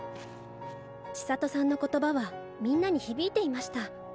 千砂都さんの言葉はみんなに響いていました。